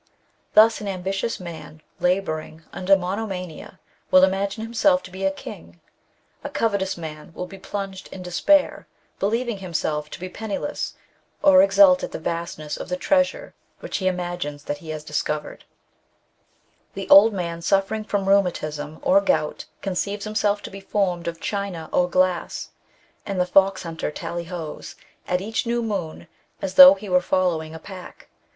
Thus, an ambitious man labouring under monomania will imagine himself to be a king ; a covetous man will be plunged in despair, believing himself to be penniless, or exult at the vastness of the treasure which he imagines that he has discovered. * Die Geistes Krankheiten, Berlin, 1844. NATURAL CAUSES OF LYCANTHROPY. 145 The old man suffering from rheumatism or gout con ceives himself to be formed of china or glass, and the foxhunter tallyhos ! at each new moon, as though he were following a pack.